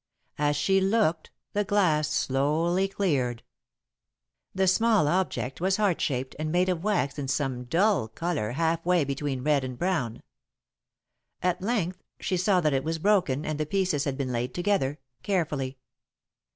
As she looked, the glass slowly cleared. The small object was heart shaped and made of wax in some dull colour half way between red and brown. At length she saw that it was broken and the pieces had been laid together, carefully.